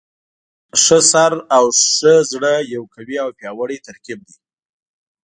ښه سر او ښه زړه یو قوي او پیاوړی ترکیب دی.